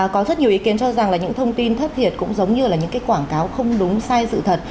có rất nhiều ý kiến cho rằng là những thông tin thất thiệt cũng giống như là những cái quảng cáo không đúng sai sự thật